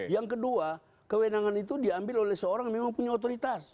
yang kedua kewenangan itu diambil oleh seorang yang memang punya otoritas